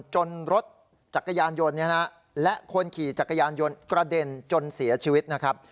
รถจักรยานยนต์และคนขี่จักรยานยนต์กระเด็นจนเสียชีวิตนะครับ